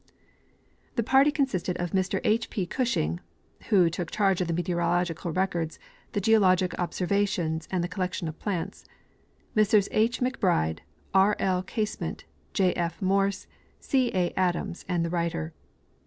The party consisted of Mr H. P. Gushing, who took charge of the meteorologic records, the geologic observations, and the col lection of plants ; Messrs H. McBride, R. L. Casement, J. F. Morse, C. A. Adams, and the writer.